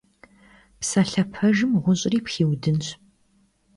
Psalhe pejjım ğuş'ri pxiudınş.